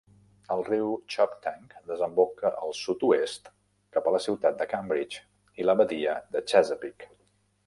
El riu Choptank desemboca al sud-oest cap a la ciutat de Cambridge i a la badia de Chesapeake.